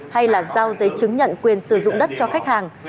và giao giấy chứng nhận quyền sử dụng đất cho khách hàng